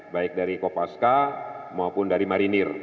baik dari kopaska maupun dari marinir